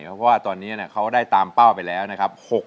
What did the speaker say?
เพราะว่าตอนนี้เขาได้ตามเป้าไปแล้วนะครับ